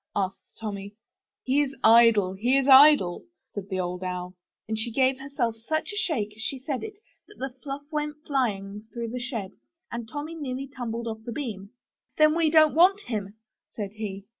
asked Tommy. *'He is idle, he is idle,'' said the Old Owl, and she gave herself such a shake as she said it that the fluff went flying through the shed, and Tommy nearly tumbled off the beam. 'Then we don't want him," said he.